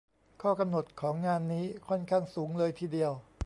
ข้อกำหนดของงานนี้ ค่อนข้างสูงเลยทีเดียว